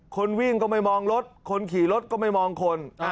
คนวิ่งก็ไม่มองรถคนขี่รถก็ไม่มองคน